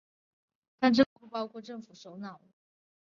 但这不包含个人资产依赖其职位的政府首脑。